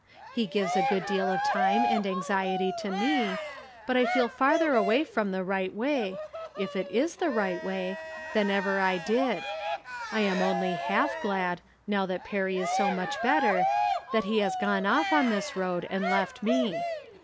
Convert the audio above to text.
He gives a good deal of time and anxiety to me, but I feel farther away from the right way, if it is the right way, than ever I did. I am only half glad, now that Perry is so much better, that he has gone off on tliis road and left me.